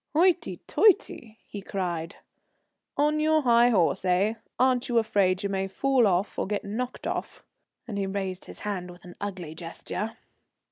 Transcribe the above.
"Hoity toity!" he cried. "On your high horse, eh? Aren't you afraid you may fall off or get knocked off?" and he raised his hand with an ugly gesture.